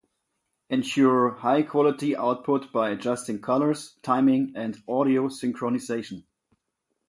Ensure high-quality output by adjusting colors, timing, and audio synchronization.